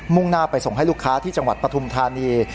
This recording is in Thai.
่งหน้าไปส่งให้ลูกค้าที่จังหวัดปฐุมธานี